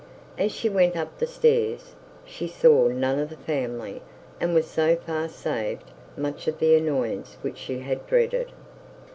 As she went up the stairs, she none of the family, and was so far saved much of the annoyance which she had dreaded.